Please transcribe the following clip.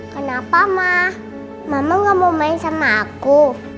kenapa ma mama enggak mau main sama aku